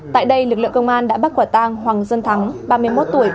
tại đây lực lượng công an đã bắt quả tang hoàng dân thắng ba mươi một tuổi